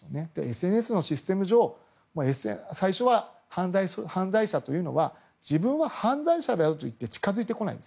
ＳＮＳのシステム上最初は犯罪者というのは自分は犯罪者だと言って近づいてこない。